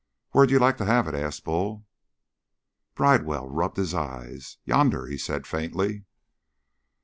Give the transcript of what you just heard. "Where'd you like to have it?" asked Bull. Bridewell rubbed his eyes. "Yonder," he said faintly.